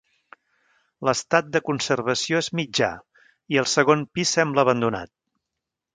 L'estat de conservació és mitjà i el segon pis sembla abandonat.